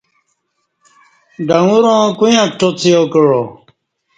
ڈنگوراں کویاں کٹا څیاکعا